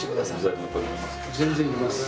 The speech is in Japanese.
全然いけます。